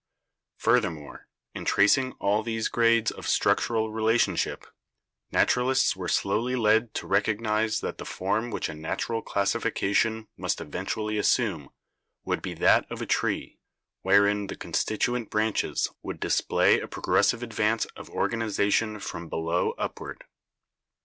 Furthermore, in tracing all these grades of structural relationship, naturalists were slowly led to recognise that the form which a natural classification must eventually assume would be that of a tree, wherein the constituent branches would display a progressive advance of organization from below upward.